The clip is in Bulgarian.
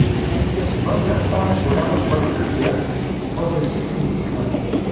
Вънка стана голяма бъркотия и после всичко утихна.